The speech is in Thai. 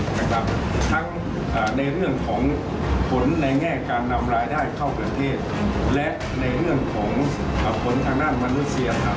ทั้งในเรื่องของผลในแง่การนำรายได้เข้าประเทศและในเรื่องของผลทางด้านมนุษยธรรม